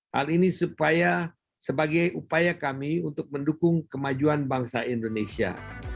hal ini sebagai upaya kami untuk mendukung kemajuan bangsa indonesia